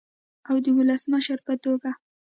او د ولسمشر په توګه